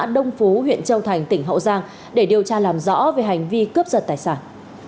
đông phú huyện châu thành tỉnh hậu giang để điều tra làm rõ về hành vi cướp giật tài sản